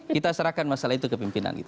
kita serahkan masalah itu ke pimpinan